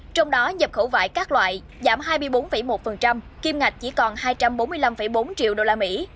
trong đó nhập khẩu vải các loại giảm hai mươi bốn một kim ngạch chỉ còn hai trăm bốn mươi năm bốn triệu đô la mỹ